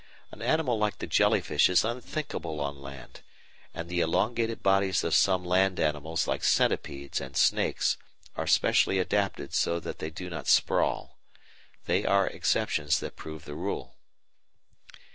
An animal like the jellyfish is unthinkable on land, and the elongated bodies of some land animals like centipedes and snakes are specially adapted so that they do not "sprawl." They are exceptions that prove the rule.